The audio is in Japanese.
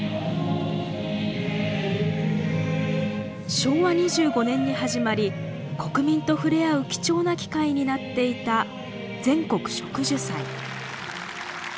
昭和２５年に始まり国民とふれあう貴重な機会になっていた全国植樹祭。